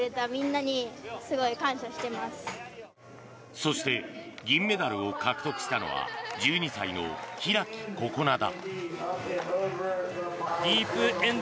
そして銀メダルを獲得したのは１２歳の開心那だ。